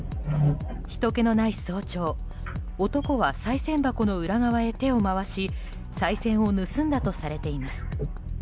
ひとけのない早朝男はさい銭箱の裏側へ手を回しさい銭を盗んだとされています。